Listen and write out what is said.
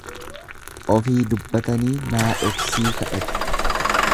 Ofii dubbatanii naadhoksii kadhatu.